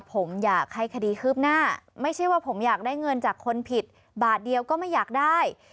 ผมอยากให้คดีคืบหน้าไม่ใช่ว่าผมอยากได้เงินจากคนผิดบาทเดียวก็ไม่อยากได้